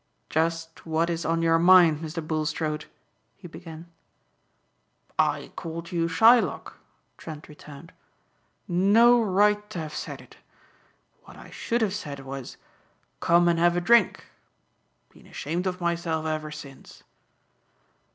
"Just what is on your mind, Mr. Bulstrode?" he began. "I called you 'Shylock,'" Trent returned. "No right to have said it. What I should have said was, 'Come and have a drink.' Been ashamed of myself ever since."